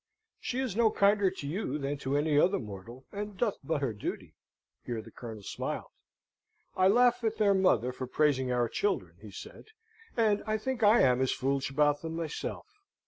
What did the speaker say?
"She is no kinder to you than to any other mortal, and doth but her duty." Here the Colonel smiled. "I laugh at their mother for praising our children," he said, "and I think I am as foolish about them myself.